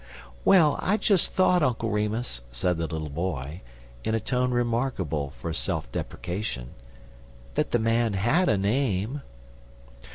"Well, I just thought, Uncle Remus," said the little boy, in a tone remarkable for self depreciation, "that the man had a name."